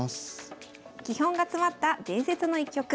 基本が詰まった伝説の一局。